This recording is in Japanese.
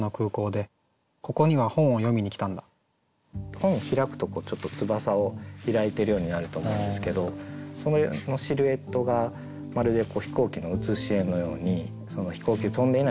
本を開くとちょっと翼を開いているようになると思うんですけどそのシルエットがまるで飛行機の写し絵のようにその飛行機が飛んでいない空港で浮かび上がるなっていうふうに。